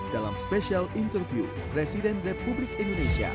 dalam spesial interview presiden republik indonesia